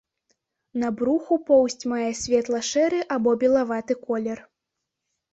На бруху поўсць мае светла-шэры або белаваты колер.